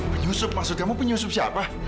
penyusup maksud kamu penyusup siapa